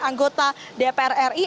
anggota dpr ri